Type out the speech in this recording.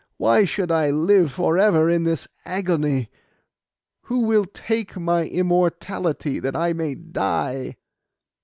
Why should I live for ever in this agony? Who will take my immortality, that I may die?